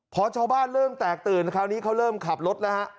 พอชาวบ้านเริ่มแตกตื่นคราวนี้เขาเริ่มขับรถแล้วฮะ